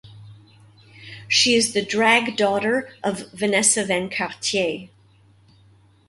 She is the drag daughter of Vanessa Van Cartier.